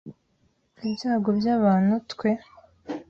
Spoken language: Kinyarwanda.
Ibyago byabantu; twe